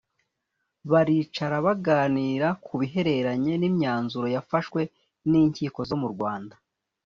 Baricara baganira ku bihereranye n’imyanzuro yafashwe n’inkiko zo mu Rwanda